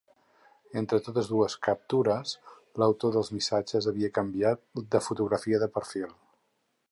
Entre totes dues captures, l’autor dels missatges havia canviat de fotografia de perfil.